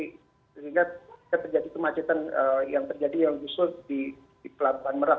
sehingga terjadi kemacetan yang terjadi yang justru di pelabuhan merak